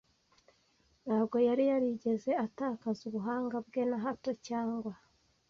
ntabwo yari yarigeze atakaza ubuhanga bwe na hato cyangwa